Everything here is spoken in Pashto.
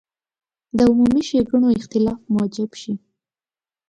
د عمومي ښېګڼو اختلاف موجب شي.